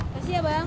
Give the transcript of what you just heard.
kasih ya bayang